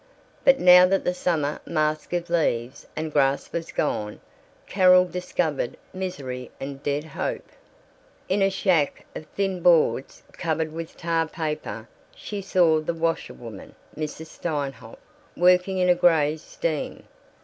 But now that the summer mask of leaves and grass was gone, Carol discovered misery and dead hope. In a shack of thin boards covered with tar paper she saw the washerwoman, Mrs. Steinhof, working in gray steam.